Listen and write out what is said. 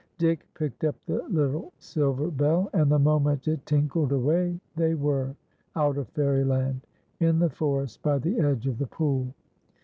Dick picked up the little silver bell, and the moment it tinkled away they were out of Fairy land in the forest by the edge of the pool.